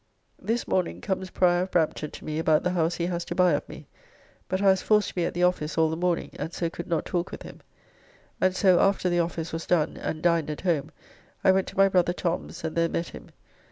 This morning comes Prior of Brampton to me about the house he has to buy of me, but I was forced to be at the office all the morning, and so could not talk with him. And so, after the office was done, and dined at home, I went to my brother Tom's, and there met him.